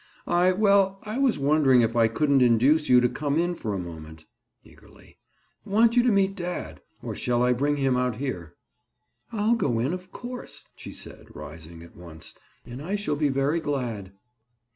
"I—well, I was wondering if I couldn't induce you to come in for a moment?" Eagerly. "Want you to meet dad. Or shall I bring him out here?" "I'll go in, of course," she said, rising at once. "And I shall be very glad."